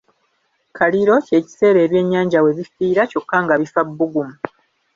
Kaliro kye kiseera ebyennyanja we bifiira kyokka nga bifa bbugumu.